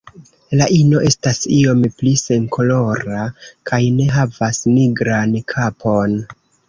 La ino estas iom pli senkolora kaj ne havas nigran kapon.